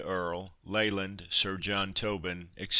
Earle, Leyland, Sir John Tobin, etc.